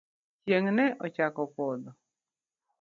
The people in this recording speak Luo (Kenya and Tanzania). Chieng' ne ochako podho.